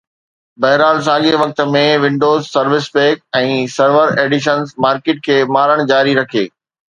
بهرحال، ساڳئي وقت ۾، Windows service pack ۽ server editions market کي مارڻ جاري رکي